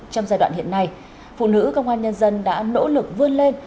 trong giai đoạn hiện nay phụ nữ công an nhân dân đã nỗ lực vươn lên